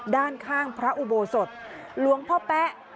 ด้านข้างพระอุโบสถหลวงพ่อแป๊ะ